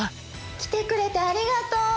来てくれてありがとう！